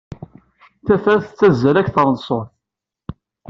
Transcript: Tafat tettazzal akteṛ n ṣṣut.